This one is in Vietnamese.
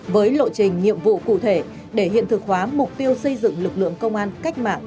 với lộ trình nhiệm vụ cụ thể để hiện thực hóa mục tiêu xây dựng lực lượng công an cách mạng